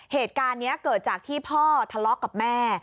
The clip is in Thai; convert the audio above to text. เหตุการณ์นี้เกิดจากที่พ่อทะเลาะกับแม่